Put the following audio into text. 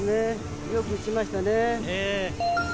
よく打ちましたね。